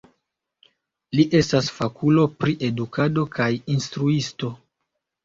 Li estas fakulo pri edukado kaj instruisto.